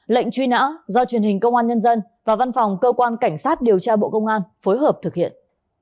lệnh truy nã do truyền hình công an nhân dân và văn phòng cơ quan cảnh sát điều tra bộ công an phối hợp thực hiện